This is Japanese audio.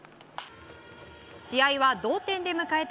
試合は同点で迎えた